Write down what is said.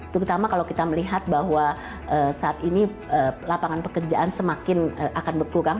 terutama kalau kita melihat bahwa saat ini lapangan pekerjaan semakin akan berkurang